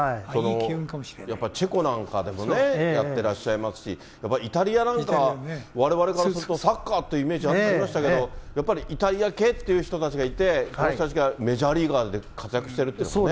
チェコなんかでもやってらっしゃいますし、イタリアなんか、われわれからすると、サッカーっていうイメージありましたけど、やっぱりイタリア系という人たちがいて、あの人たちがメジャーリーガーで活躍してるっていうのはね。